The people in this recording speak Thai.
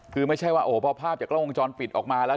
คือไม่ใช่ว่าโอ้โหพอภาพจากกล้องวงจรปิดออกมาแล้ว